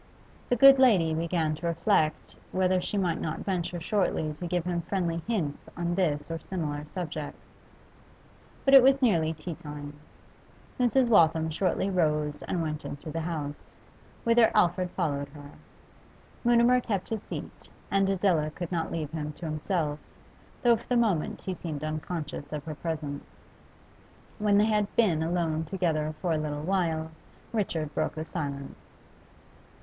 The good lady began to reflect whether she might not venture shortly to give him friendly hints on this and similar subjects. But it was nearly tea time. Mrs. Waltham shortly rose and went into the house, whither Alfred followed her. Mutimer kept his seat, and Adela could not leave him to himself, though for the moment he seemed unconscious of her presence. When they had been alone together for a little while, Richard broke the silence.